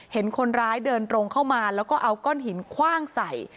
เห็นคนร้ายเดินตรงเข้ามาแล้วก็เอาก้อนหินคว่างใส่